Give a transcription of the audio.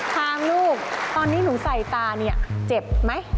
ทางลูกตอนนี้หนูใส่ตาเนี่ยเจ็บไหม